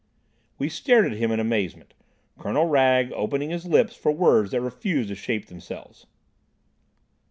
We stared at him in amazement, Colonel Wragge opening his lips for words that refused to shape themselves.